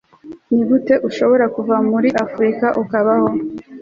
Nigute nshobora kuva muri Afrika nkabaho